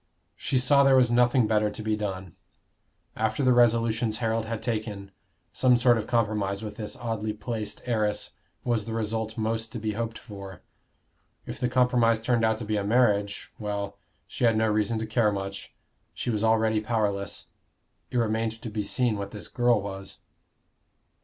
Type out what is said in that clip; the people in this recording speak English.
She saw there was nothing better to be done. After the resolutions Harold had taken, some sort of compromise with this oddly placed heiress was the result most to be hoped for; if the compromise turned out to be a marriage well, she had no reason to care much: she was already powerless. It remained to be seen what this girl was.